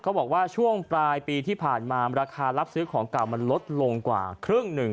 บอกว่าช่วงปลายปีที่ผ่านมาราคารับซื้อของเก่ามันลดลงกว่าครึ่งหนึ่ง